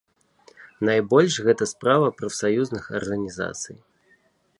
Найбольш гэта справа прафсаюзных арганізацый.